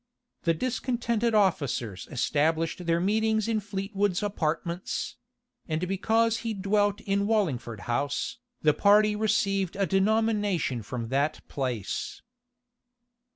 The discontented officers established their meetings in Fleetwood's apartments; and because he dwelt in Wallingford House, the party received a denomination from that place.